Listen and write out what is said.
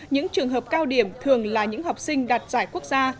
những trường hợp cao điểm thường là những học sinh đạt giải quốc gia